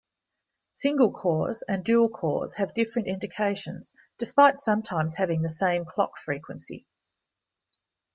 Single-cores and dual-cores have different indications, despite sometimes having the same clock frequency.